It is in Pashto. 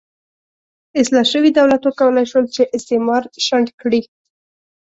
اصلاح شوي دولت وکولای شول چې استعمار شنډ کړي.